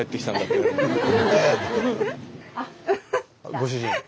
ご主人。